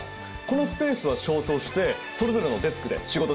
このスペースは消灯してそれぞれのデスクで仕事しましょう。